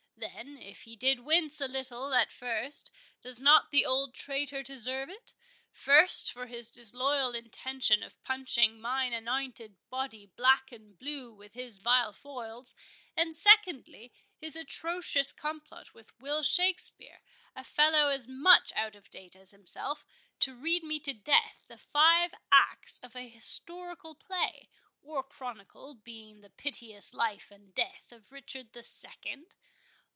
Then, if he did wince a little at first, does not the old traitor deserve it;—first, for his disloyal intention of punching mine anointed body black and blue with his vile foils—and secondly, his atrocious complot with Will Shakspeare, a fellow as much out of date as himself, to read me to death with five acts of a historical play, or chronicle, 'being the piteous Life and Death of Richard the Second?